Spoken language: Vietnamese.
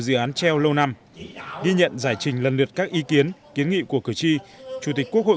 dự án treo lâu năm ghi nhận giải trình lần lượt các ý kiến kiến nghị của cử tri chủ tịch quốc hội